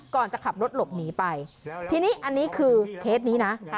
จะขับรถหลบหนีไปทีนี้อันนี้คือเคสนี้นะ